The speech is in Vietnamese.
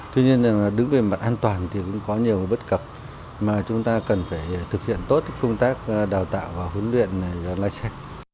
tuy nhiên đứng về mặt an toàn thì cũng có nhiều bất cập mà chúng ta cần phải thực hiện tốt công tác đào tạo và huấn luyện lái xe